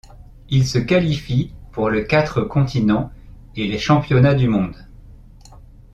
Ils se qualifient pour le Quatre continents et les championnats du monde.